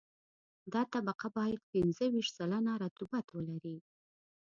دا طبقه باید پنځه ویشت سلنه رطوبت ولري